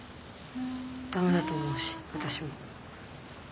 駄目だと思うし私も。